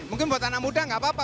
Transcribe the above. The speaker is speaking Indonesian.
mungkin buat anak muda nggak apa apa